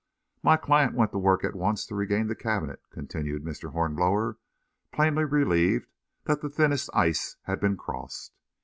"My client went to work at once to regain the cabinet," continued Mr. Hornblower, plainly relieved that the thinnest ice had been crossed.